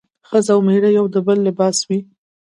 ښځه او مېړه د يو بل لباس وي